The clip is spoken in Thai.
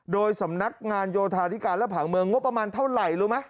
โดยสำนักงานโยธาธิการและผังเมืองงบประมาณเท่าไหร่รู้ไหม